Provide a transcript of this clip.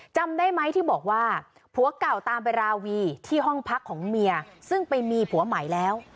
จำได้ไหมที่บอกว่าผัวเก่าตามไปราวีที่ห้องพักของเมียซึ่งไปมีผัวใหม่แล้ว